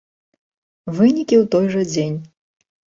Вынікі ў той жа дзень!